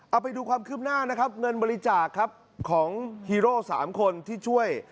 เอาไปดูความคืบหน้านะครับเงินบริจาคครับของฮีโร่๓คนที่ช่วย